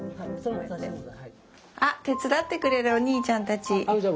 あ手伝ってくれるお兄ちゃんたち。